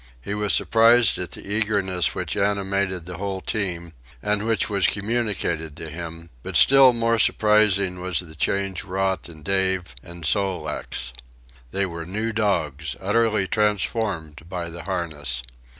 He was surprised at the eagerness which animated the whole team and which was communicated to him; but still more surprising was the change wrought in Dave and Sol leks. They were new dogs, utterly transformed by the harness.